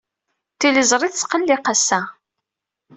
Tiliẓri tesqelliq ass-a.